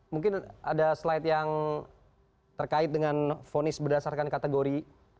mungkin ada slide yang terkait dengan fonis berdasarkan kategori